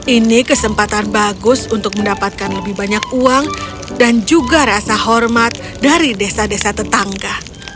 ini kesempatan bagus untuk mendapatkan lebih banyak uang dan juga rasa hormat dari desa desa tetangga